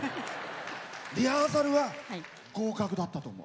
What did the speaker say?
リハーサルは合格だったと思う。